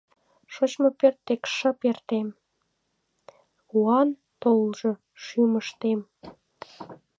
Шочмо пӧрт дек шып эртем, Куан тулжо — шӱмыштем.